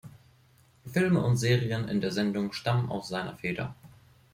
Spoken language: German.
Filme und Serien in der Sendung stammen aus seiner Feder.